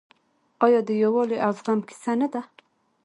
آیا د یووالي او زغم کیسه نه ده؟